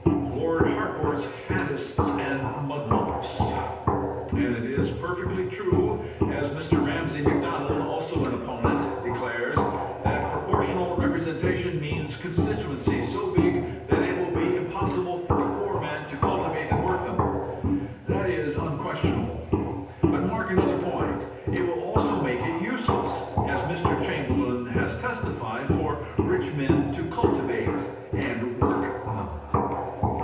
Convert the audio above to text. (Lord Harcourt's "faddists and mugwumps.") And it is perfectly true as Mr. Ramsay Macdonald (also an opponent) declares, that Proportional Representation means constituencies so big that it will be impossible for a poor man to cultivate and work them. That is unquestionable. But, mark another point, it will also make it useless, as Mr. Chamberlain has testified, for rich men to cultivate and work them.